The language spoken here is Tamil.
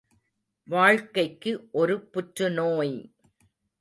வாழ்க்கைக்கு ஒரு புற்றுநோய்!